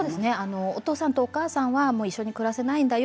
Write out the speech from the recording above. お父さんとお母さんはもう一緒に暮らせないんだよ